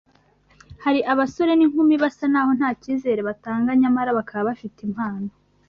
Hari abasore n’inkumi basa n’aho nta cyizere batanga nyamara bakaba bafite impano